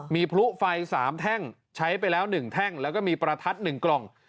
มีพลุไฟ๓แท่งใช้ไปแล้ว๑แท่งแล้วก็มีประทัด๑กล่อง